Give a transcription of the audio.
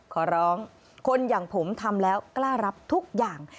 ขอร้องคนอย่างผมทำแล้วกล้ารับทุกอย่าง